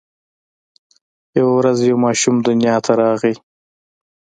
یوه ورځ یو ماشوم دنیا ته راغی.